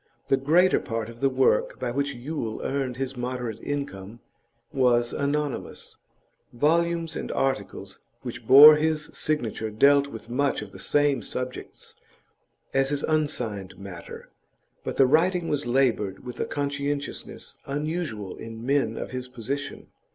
The greater part of the work by which Yule earned his moderate income was anonymous: volumes and articles which bore his signature dealt with much the same subjects as his unsigned matter, but the writing was laboured with a conscientiousness unusual in men of his position.